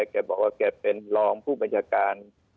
แกบอกว่าแกเป็นรองผู้บัญชาการ